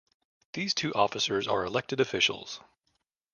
These two officers are elected officials.